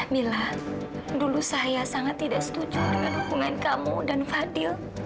mila dulu saya sangat tidak setuju dengan hubungan kamu dan fadil